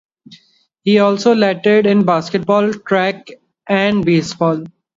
He also lettered in basketball, track, and baseball.